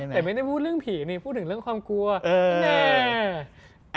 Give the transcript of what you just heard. แต่ไม่ได้พูดเรื่องผีนี่พูดถึงเรื่องความกลัว